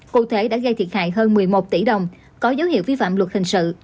cụ thể đã gây thiệt hại hơn một mươi một tỷ đồng có dấu hiệu vi phạm luật hình sự